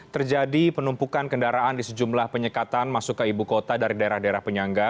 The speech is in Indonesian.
terjadi penumpukan kendaraan di sejumlah penyekatan masuk ke ibu kota dari daerah daerah penyangga